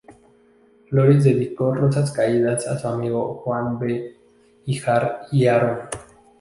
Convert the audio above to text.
Flores dedicó Rosas Caídas a su amigo Juan B. Híjar y Haro.